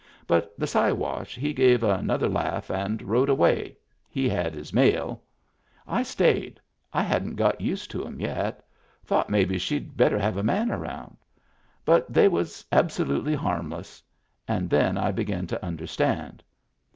But the Siwash he gave another laugh and rode away — he had his mail. I stayed. I hadn't got used to 'em yet. Thought maybe she'd better have a man around. But they was absolutely harmless. And then I began to under stand.